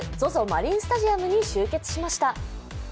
マリンスタジアムに集結しました。